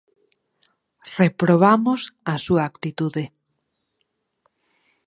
Reprobamos a súa actitude.